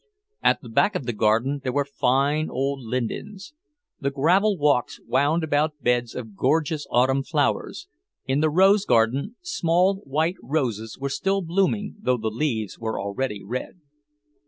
At the back of the garden there were fine old lindens. The gravel walks wound about beds of gorgeous autumn flowers; in the rose garden, small white roses were still blooming, though the leaves were already red.